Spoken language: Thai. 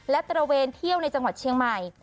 และตระเวนเที่ยวในจังหวัดเชียงใหม่